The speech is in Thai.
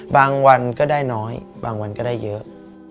วันก็ได้น้อยบางวันก็ได้เยอะ